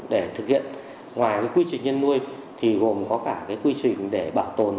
để thực hiện ngoài cái quy trình nhân nuôi thì gồm có cả cái quy trình để bảo tồn